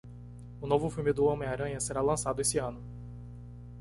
O novo filme do Homem-Aranha será lançado esse ano.